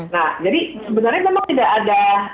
nah jadi sebenarnya memang